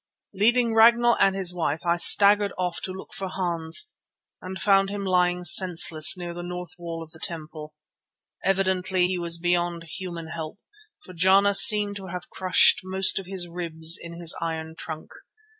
Leaving Ragnall and his wife, I staggered off to look for Hans and found him lying senseless near the north wall of the temple. Evidently he was beyond human help, for Jana seemed to have crushed most of his ribs in his iron trunk.